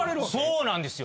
そうなんですよ。